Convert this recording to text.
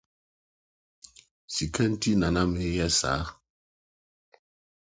Sika nti na na meyɛ saa.